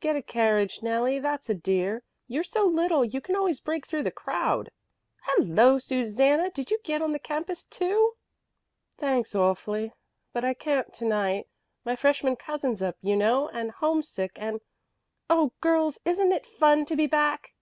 "Get a carriage, Nellie, that's a dear. You're so little you can always break through the crowd." "Hello, Susanna! Did you get on the campus too?" "Thanks awfully, but I can't to night. My freshman cousin's up, you know, and homesick and " "Oh, girls, isn't it fun to be back?"